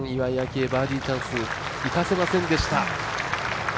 愛、バーディーチャンス生かせませんでした。